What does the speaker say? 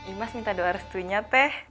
imas minta doa restunya teh